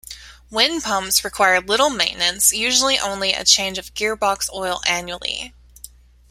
Wind pumps require little maintenance-usually only a change of gear box oil annually.